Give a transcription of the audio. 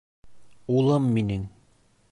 — Улым минең!